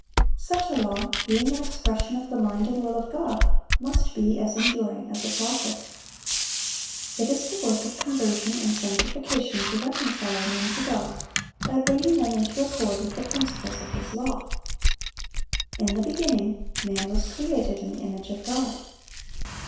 (787) Such a law, being an expression of the mind and will of God, must be as enduring as its Author. It is the work of conversion and sanctification to reconcile men to God, by bringing them into accord with the principles of His law. In the beginning, man was created in the image of God.